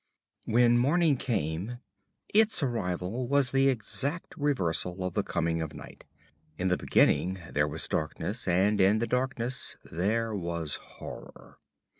III. When morning came, its arrival was the exact reversal of the coming of night. In the beginning there was darkness, and in the darkness there was horror.